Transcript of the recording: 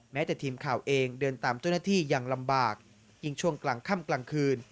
แม้แต่ทีมข่าวเองเดินตามเจ้าหน้าที่ยังลำบากยิ่งช่วงกลางค่ำกลางคืน